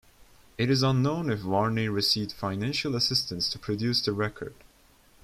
It is unknown if Varney received financial assistance to produce the record.